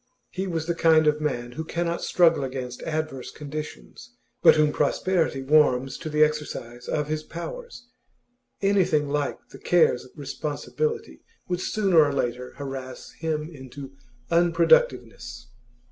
He was the kind of man who cannot struggle against adverse conditions, but whom prosperity warms to the exercise of his powers. Anything like the cares of responsibility would sooner or later harass him into unproductiveness.